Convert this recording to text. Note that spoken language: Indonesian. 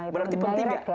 berarti penting gak